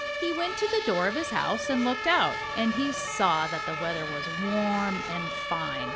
He went to the door of his house and looked out. And he saw that the weather was warm and fine.